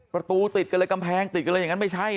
ประตูติดไปเลยกำแพงติดไปเลยแล้วไม่ใช่